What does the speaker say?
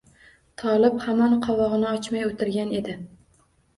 Tolib hamon qovog‘ini ochmay o‘tirgan edi